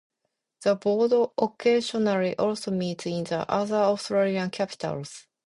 The board occasionally also meets in other Australian capitals.